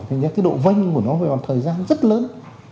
thế nên cái độ vânh của nó về vào thời gian rất lớn